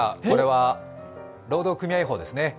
これは労働組合法ですね。